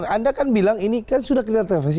anda kan bilang ini kan sudah kinerja transaksi